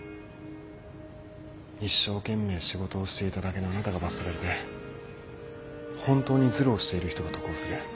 一生懸命仕事をしていただけのあなたが罰せられて本当にずるをしている人が得をする。